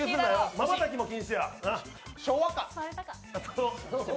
まばたきも禁止や。